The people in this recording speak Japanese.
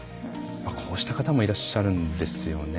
こうした方もいらっしゃるんですよね。